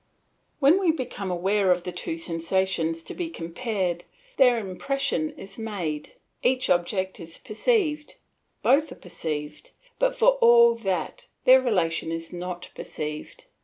When we become aware of the two sensations to be compared, their impression is made, each object is perceived, both are perceived, but for all that their relation is not perceived.